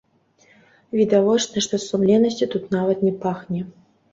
Відавочна, што сумленнасцю тут нават не пахне.